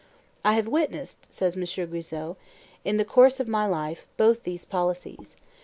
"I have witnessed," says M. Guizot, "in the course of my life, both these policies.